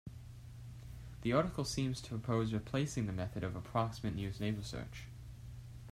The article seems to propose replacing the method of approximate nearest neighbor search.